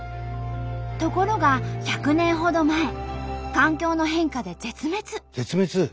ところが１００年ほど前環境の変化で絶滅。